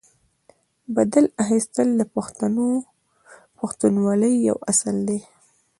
بدل اخیستل د پښتونولۍ یو اصل دی.